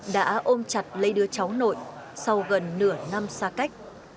đã ôm chặt lấy đứa cháu nội sau gần nửa năm xa cách